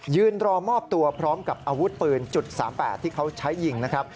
ยืนรอมอบตัวพร้อมกับอาวุธปืน๓๘ที่เขาใช้ยิงนะครับ